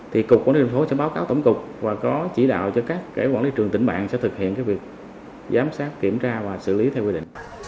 thì cục quản lý thị trường tp hcm sẽ báo cáo tổng cục và có chỉ đạo cho các quản lý trường tỉnh bạn sẽ thực hiện việc giám sát kiểm tra và xử lý theo quy định